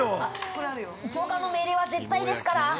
上官の命令は絶対ですから。